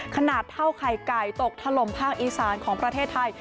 ขนาดเท่าไข่ไก่ตกถล่มภาคอีสานของประเทศไทย